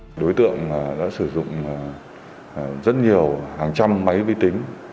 các đối tượng đã sử dụng rất nhiều hàng trăm máy vi tính